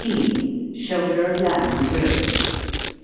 _Shoulder of Lamb Grilled.